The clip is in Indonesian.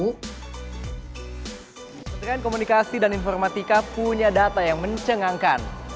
kementerian komunikasi dan informatika punya data yang mencengangkan